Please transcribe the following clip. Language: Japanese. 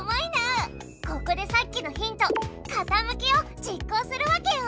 ここでさっきのヒント「かたむき」を実行するわけよ。